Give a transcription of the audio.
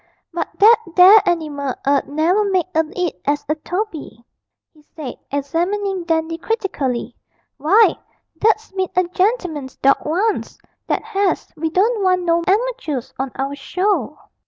But that there animal 'ud never make a 'it as a Toby,' he said, examining Dandy critically: 'why, that's bin a gen'leman's dawg once, that has we don't want no amatoors on our show.'